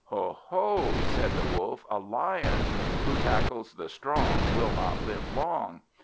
"Oho," said the Wolf, "a Lion. Who tackles the strong will not live long.